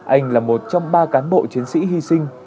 anh là một trong ba cán bộ chiến sĩ hy sinh